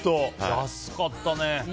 安かったね。